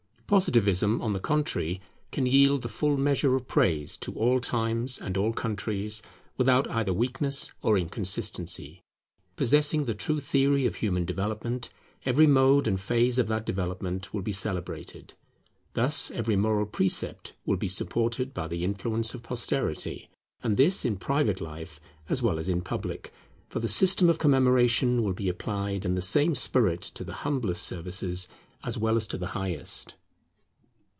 Positivism, on the contrary, can yield the full measure of praise to all times and all countries, without either weakness or inconsistency. Possessing the true theory of human development, every mode and phase of that development will be celebrated. Thus every moral precept will be supported by the influence of posterity; and this in private life as well as in public, for the system of commemoration will be applied in the same spirit to the humblest services as well as to the highest.